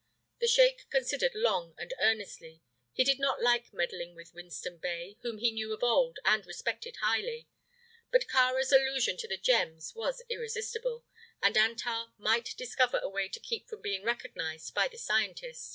The sheik considered long and earnestly. He did not like meddling with Winston Bey, whom he knew of old and respected highly; but Kāra's allusion to the gems was irresistible, and Antar might discover a way to keep from being recognized by the scientist.